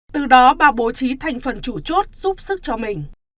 từ đó bà bố trí thành phần chủ chốt giúp sức cho mình